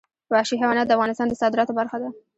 وحشي حیوانات د افغانستان د صادراتو برخه ده.